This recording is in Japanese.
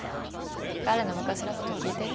彼の昔のこと聞いてる？